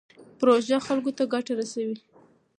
پروژه خلکو ته ګټه رسوي.